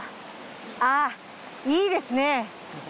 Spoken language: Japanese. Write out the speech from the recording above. あぁいいですね。